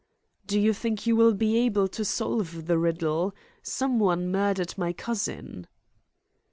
"Do you think you will be able to solve the riddle? Someone murdered my cousin."